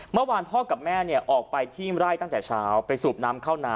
เมื่อวานพ่อกับแม่เนี่ยออกไปที่ไร่ตั้งแต่เช้าไปสูบน้ำเข้านา